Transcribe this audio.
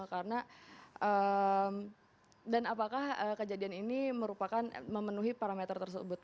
karena dan apakah kejadian ini merupakan memenuhi parameter tersebut